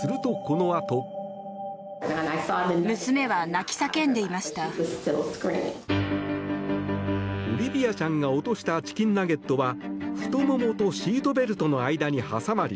すると、このあと。オリビアちゃんが落としたチキンナゲットは太ももとシートベルトの間に挟まり